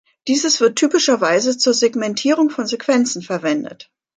Dieses wird typischerweise zur Segmentierung von Sequenzen verwendet.